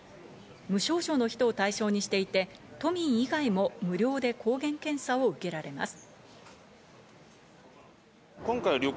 無症状の人を対象にしていて都民以外も無料で抗原検査を受けられます。